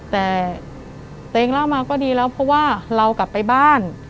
แต่ตัวเองเล่ามาก็ดีแล้วเพราะว่าเรากลับไปบ้าน